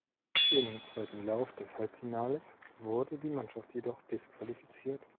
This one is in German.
Im zweiten Lauf des Halbfinales wurde die Mannschaft jedoch disqualifiziert.